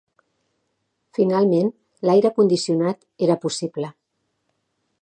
Finalment l'aire condicionat era possible.